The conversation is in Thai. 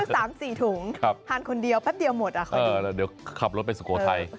สัก๓๔ถุงทานคนเดียวแป๊บเดียวหมดอ่ะขอดีเออแล้วเดี๋ยวขับรถไปสุโกทัย